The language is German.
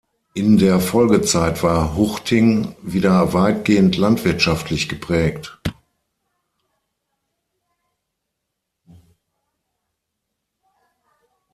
In der Folgezeit war Huchting wieder weitgehend landwirtschaftlich geprägt.